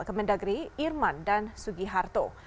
kemendagri irman dan sugiharto